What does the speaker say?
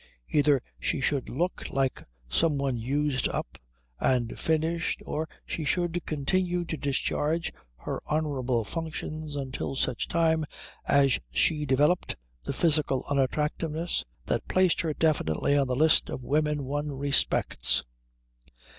Either she should look like some one used up and finished or she should continue to discharge her honourable functions until such time as she developed the physical unattractiveness that placed her definitely on the list of women one respects.